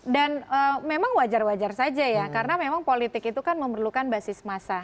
dan memang wajar wajar saja ya karena memang politik itu kan memerlukan basis massa